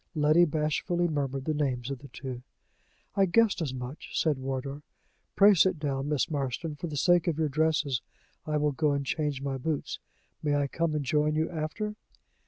Letty bashfully murmured the names of the two. "I guessed as much," said Wardour. "Pray sit down, Miss Marston. For the sake of your dresses, I will go and change my boots. May I come and join you after?"